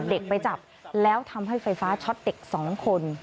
ไปจับแล้วทำให้ไฟฟ้าช็อตเด็ก๒คน